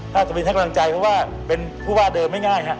ท่านสกนทีให้กำลังใจเพราะว่าเป็นผู้ว่าเดิมไม่ง่ายครับ